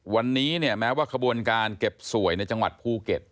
วันนี้เนี่ยแม้ว่าขบวนการเก็บสวยในจังหวัดภูเก็ต